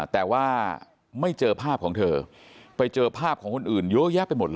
แต่ว่าไม่เจอภาพของเธอไปเจอภาพของคนอื่นเยอะแยะไปหมดเลย